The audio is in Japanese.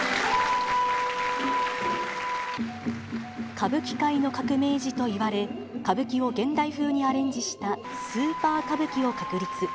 歌舞伎界の革命児といわれ、歌舞伎を現代風にアレンジしたスーパー歌舞伎を確立。